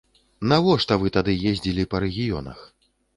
Навошта вы тады ездзілі па рэгіёнах?